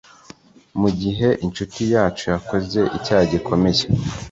mu gihe inshuti yacu yakoze icyaha gikomeye